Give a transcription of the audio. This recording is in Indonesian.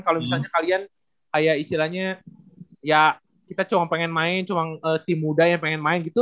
kalau misalnya kalian kayak istilahnya ya kita cuma pengen main cuma tim muda yang pengen main gitu